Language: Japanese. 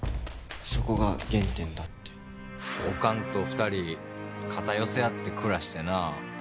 そこが原点だっておかんと二人肩寄せあって暮らしてな